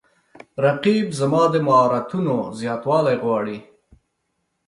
رقیب زما د مهارتونو زیاتوالی غواړي